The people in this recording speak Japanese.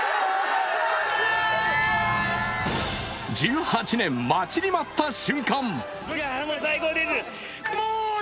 １８年、待ちに待った瞬間！